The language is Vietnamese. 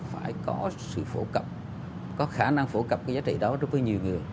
phải có sự phổ cập có khả năng phổ cập cái giá trị đó đối với nhiều người